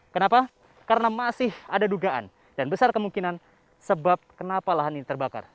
kenapa karena masih ada dugaan dan besar kemungkinan sebab kenapa lahan ini terbakar